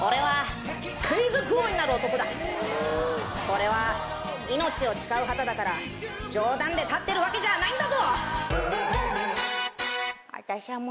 これは命を誓う旗だから冗談で立ってるわけじゃないんだぞ！